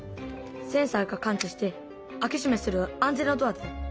センサーが感知して開け閉めする安全なドアだよ。